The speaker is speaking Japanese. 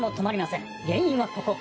原因はここ。